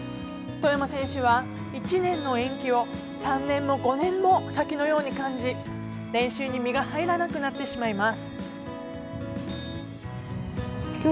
外山選手は、１年の延期を３年も５年も先のように感じ練習に身が入らなくなってしまいます。